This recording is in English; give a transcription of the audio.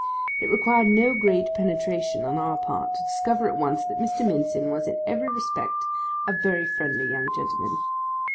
It required no great penetration on our part to discover at once that Mr. Mincin was in every respect a very friendly young gentleman.